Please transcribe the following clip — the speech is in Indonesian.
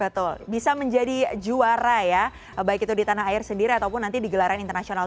betul bisa menjadi juara ya baik itu di tanah air sendiri ataupun nanti di gelaran internasional